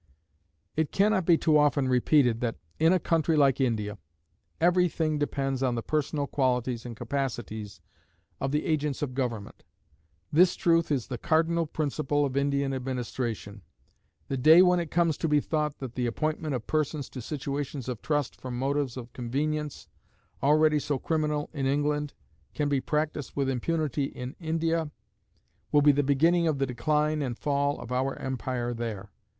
It can not be too often repeated that, in a country like India, every thing depends on the personal qualities and capacities of the agents of government. This truth is the cardinal principle of Indian administration. The day when it comes to be thought that the appointment of persons to situations of trust from motives of convenience, already so criminal in England, can be practiced with impunity in India, will be the beginning of the decline and fall of our empire there.